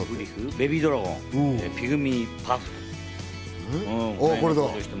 ベビードラゴンだって。ピグミーパフとか。